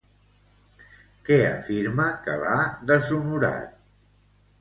Què afirma que l'ha deshonorat?